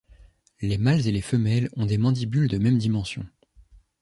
Les mâles et les femelles ont des mandibules de mêmes dimensions.